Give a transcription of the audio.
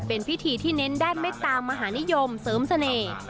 เป็นพิธีที่เน้นด้านเมตตามหานิยมเสริมเสน่ห์